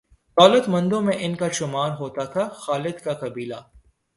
دولت مندوں میں ان کا شمار ہوتا تھا۔ خالد کا قبیلہ